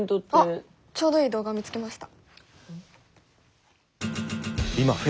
あっちょうどいい動画を見つけました。